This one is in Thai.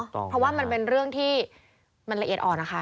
เพราะว่ามันเป็นเรื่องที่มันละเอียดอ่อนนะคะ